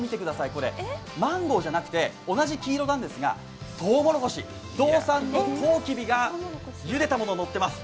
これはマンゴーじゃなくて同じ黄色なんですが、とうもろこし道産のとうきびゆでたものがのっています。